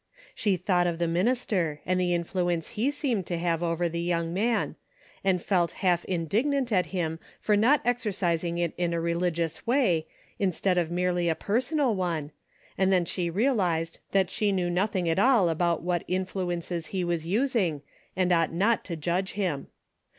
She thought of the minister and the influence he seemed to have over the young man, and felt half indignant at him for not exercising it in a religious way, instead of merely a personal one, and then she realized that she knew nothing at all ab^out what in fluences he was using, and ought not to judge him.